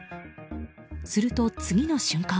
すると、次の瞬間。